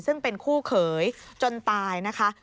ซึ่งเป็นคู่เขยจนตายนะคะ